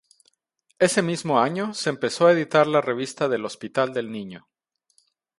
Ese mismo año se empezó a editar la revista del Hospital del Niño.